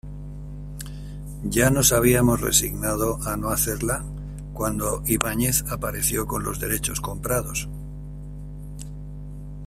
Ya nos habíamos resignado a no hacerla, cuando Ibáñez apareció con los derechos comprados.